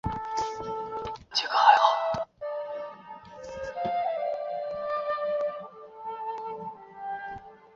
是工业上制取氰化氢的方法之一。